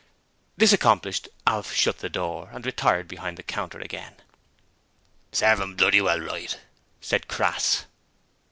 This accomplished, Alf shut the door and retired behind the counter again. 'Serve 'im bloody well right,' said Crass.